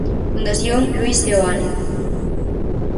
Fundación Luís Seoane.